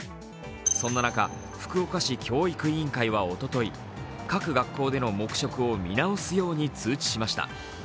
そんな中、福岡市教育委員会はおととい各学校での黙食を見直すように通知しました。